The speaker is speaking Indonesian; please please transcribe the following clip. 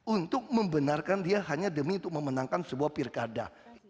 untuk membenarkan dia hanya demi untuk memenangkan sebuah pilkada